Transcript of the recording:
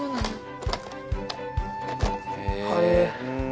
はい。